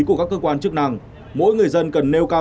của các cơ quan chức năng mỗi người dân cần nêu cao